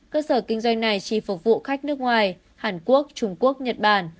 cơ sở kinh doanh này chỉ phục vụ khách nước ngoài hàn quốc trung quốc nhật bản